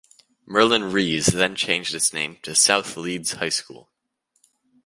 Merlyn Rees then changed its name to South Leeds High School.